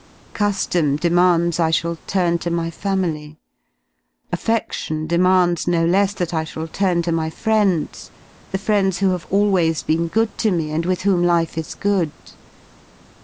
Cu^om demands I shall turn to my family; affe61:ion demands no less that I shall turn to my friends, the friends who have always been good to me and with whom life is good.